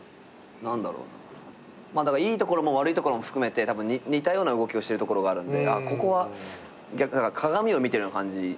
何だろうなまあだからいいところも悪いところも含めて似たような動きをしてるところがあるんで鏡を見ているような感じ。